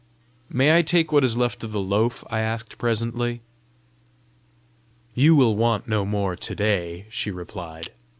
"May I take what is left of the loaf?" I asked presently. "You will want no more to day," she replied.